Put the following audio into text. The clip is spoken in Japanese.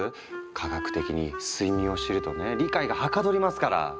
科学的に睡眠を知るとね理解がはかどりますから！